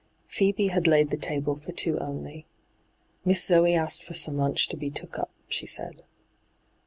Fhtebe had laid the table for two only. * Miss Zoe asked for some lunch to be took up,' she said.